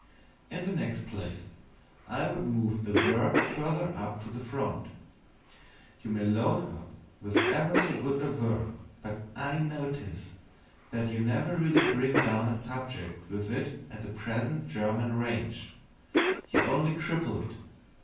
In the next place, I would move the Verb further up to the front. You may load up with ever so good a Verb, but I notice that you never really bring down a subject with it at the present German range you only cripple it.